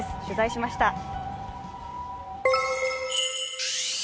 取材しました。